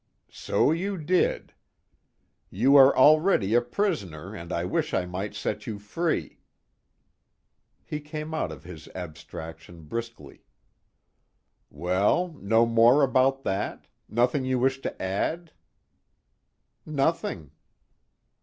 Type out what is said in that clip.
"So you did. 'You are already a prisoner, and I wish I might set you free.'" He came out of his abstraction briskly. "Well no more about that? Nothing you wish to add?" "Nothing."